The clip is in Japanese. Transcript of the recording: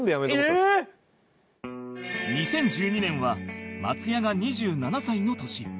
２０１２年は松也が２７歳の年